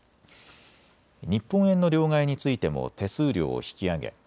日本円の両替についても手数料を引き上げ